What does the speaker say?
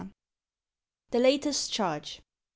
The Latest Chabge.